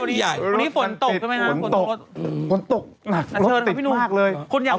วันนี้ฝนตกใช่ไหมนะฝนตกฝนตกหนักรถติดมากเลย